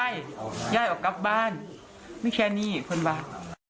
เจ้าขับแบบแบบไม่แค่นี้เพื่อนบัตร